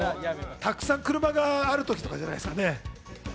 たくさん車があるときじゃないですかね。